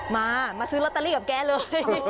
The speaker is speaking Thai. มามาซื้อลอตเตอรี่กับแกเลย